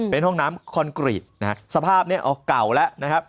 เป็นห้องน้ำคอนกรีตนะฮะสภาพนี้ออกเก่าแล้วนะครับ